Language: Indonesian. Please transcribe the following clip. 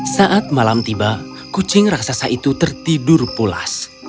saat malam tiba kucing raksasa itu tertidur pulas